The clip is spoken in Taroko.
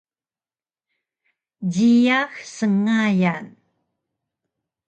Jiyax sngayan